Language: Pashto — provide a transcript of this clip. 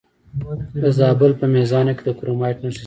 د زابل په میزانه کې د کرومایټ نښې شته.